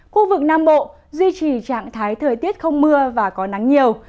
khu vực nam bộ duy trì trạng thái thời tiết không mưa và có nắng nhiều